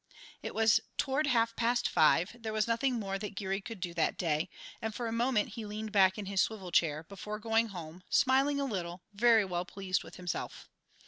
It was toward half past five, there was nothing more that Geary could do that day, and for a moment he leaned back in his swivel chair, before going home, smiling a little, very well pleased with himself.